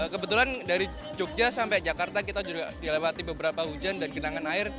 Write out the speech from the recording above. kebetulan dari jogja sampai jakarta kita juga dilewati beberapa hujan dan genangan air